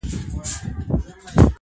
• ښه مي خړوب که په ژوند کي څه دي؟ -